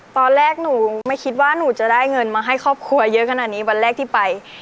ตอนแรกหนูไม่คิดว่าหนูจะได้เงินมาให้ครอบครัวเยอะขนาดนี้วันแรกที่ไป